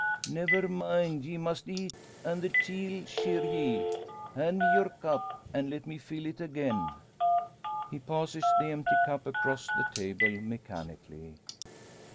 "Never mind; ye must eat, an' the tea'll cheer ye. Hand me your cup, an' let me fill it again." He passes the empty cup across the table, mechanically.